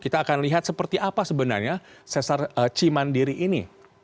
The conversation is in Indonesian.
kita akan lihat seperti apa sebenarnya sesar cimandiri ini